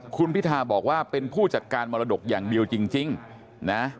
คุณพิธาบอกว่าเป็นผู้จัดการมรดกอย่างเดียวจริงนะ